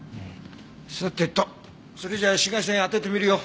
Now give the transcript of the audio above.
さてとそれじゃあ紫外線当ててみるよ。